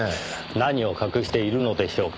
何を隠しているのでしょうか？